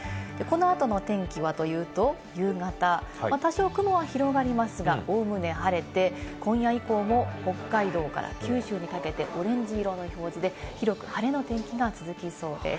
この後の天気はというと、夕方は多少雲は広がりますが、おおむね晴れて、今夜以降も北海道から九州にかけて、オレンジ色の表示で広く晴れの天気が続きそうです。